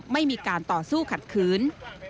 ไม่มีการต่อสู้ขัดขืน